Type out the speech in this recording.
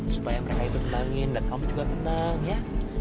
supaya mereka ikut tenangin dan kamu juga tenang ya